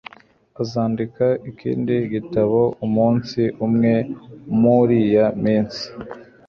Azandika ikindi gitabo umunsi umwe muriyi minsi